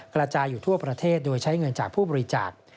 กระจายอยู่ทั่วประเทศโดยใช้เงินจากผู้บริจาค